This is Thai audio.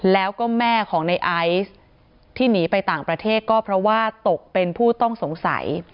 แล้วก็แม่ของในไอซ์ที่หนีไปต่างประเทศก็เพราะว่าตกเป็นผู้ต้องสงสัย